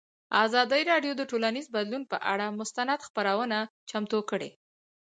ازادي راډیو د ټولنیز بدلون پر اړه مستند خپرونه چمتو کړې.